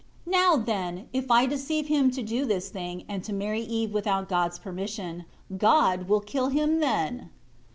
11 Now, then, if I deceive him to do this thing, and to marry Eve without God's permission, God will kill him then."